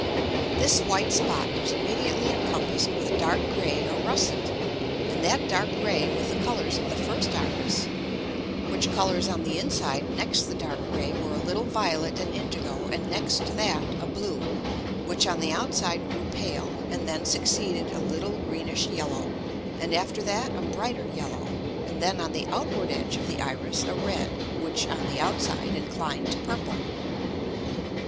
This white Spot was immediately encompassed with a dark grey or russet, and that dark grey with the Colours of the first Iris; which Colours on the inside next the dark grey were a little violet and indigo, and next to that a blue, which on the outside grew pale, and then succeeded a little greenish yellow, and after that a brighter yellow, and then on the outward edge of the Iris a red which on the outside inclined to purple.